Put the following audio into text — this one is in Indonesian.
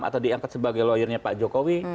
atau diangkat sebagai lawyer nya pak jokowi